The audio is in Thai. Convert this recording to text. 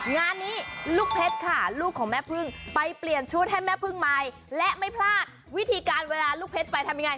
งานนี้ลูกเพชรค่ะลูกของแม่พึ่งไปเปลี่ยนชุดให้แม่พึ่งใหม่และไม่พลาดวิธีการเวลาลูกเพชรไปทำยังไง